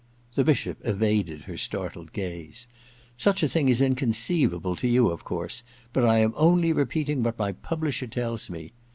The Bishop evaded her startled gaze. ^Such a thing is inconceivable to you, of course ; but I am only repeating what my publisher tdls me.